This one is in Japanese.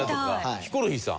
ヒコロヒーさん。